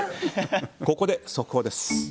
ここで速報です。